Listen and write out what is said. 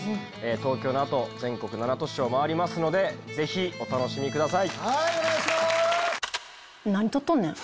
東京の後全国７都市を回りますのでぜひお楽しみください。